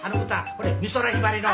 ほれ美空ひばりの。